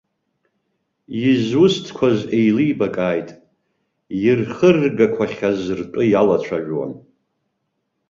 Изусҭқәаз еилибакааит, ирхыргақәахьаз ртәы иалацәажәон.